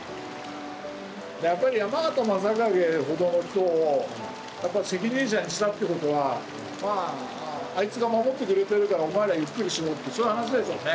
やっぱり山県昌景ほどの人を責任者にしたってことはあいつが守ってくれてるからお前らゆっくりしろってそういう話でしょうね。